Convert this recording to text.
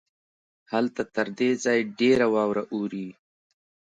هلته تر دې ځای ډېره واوره اوري.